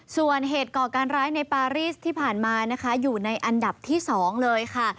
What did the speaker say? ส่วนเหตุก่อการร้ายในปารีสที่ผ่านมานะคะอยู่ในอันดับที่๒เลยค่ะ